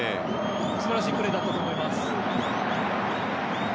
素晴らしいプレーだったと思います。